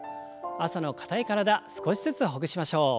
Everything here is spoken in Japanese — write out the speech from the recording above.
朝の硬い体少しずつほぐしましょう。